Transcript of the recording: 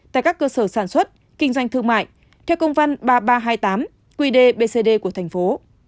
tại các cơ sở sản xuất kinh doanh thương mại theo công văn ba nghìn ba trăm hai mươi tám qd bcd của thành phố